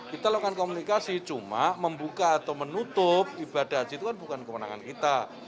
kita lakukan komunikasi cuma membuka atau menutup ibadah haji itu kan bukan kewenangan kita